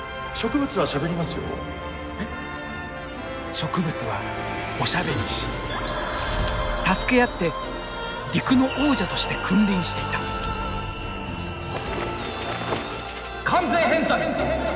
植物はおしゃべりし助け合って陸の王者として君臨していた完全変態！